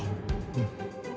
うん。